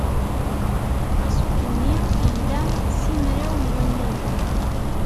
Aṣuk-nni ila simraw n wannagen.